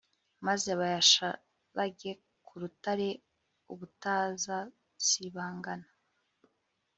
maze bayasharage ku rutare ubutazasibangana